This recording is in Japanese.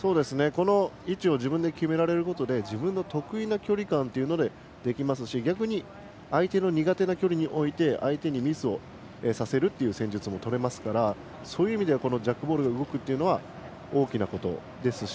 位置を自分で決められることで自分の得意な距離感でできますし逆に、相手の苦手な距離に置いて相手にミスをさせるっていう戦術もとれますからそういう意味ではジャックボールが動くというのは大きなことですし。